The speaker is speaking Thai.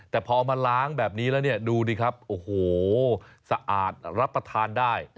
แต่พอมาล้างแบบนี้แล้วเนี่ยดูดิครับโอ้โหสะอาดรับประทานได้